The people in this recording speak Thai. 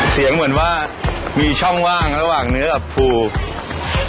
เสียงเหมือนว่ามีช่องว่างระหว่างเนื้อกับปู